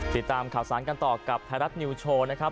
ติดตามข่าวสารกันต่อกับไทยรัฐนิวโชว์นะครับ